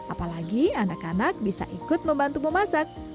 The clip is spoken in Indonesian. apalagi anak anak bisa ikut membantu memasak